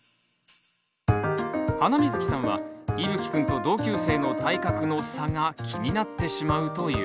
ハナミズキさんはいぶきくんと同級生の体格の差が気になってしまうという。